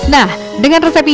nah dengan resep ini